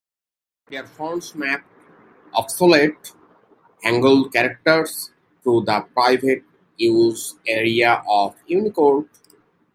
Their fonts map obsolete Hangul characters to the Private Use Area of Unicode.